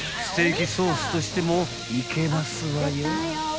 ［ステーキソースとしてもいけますわよ］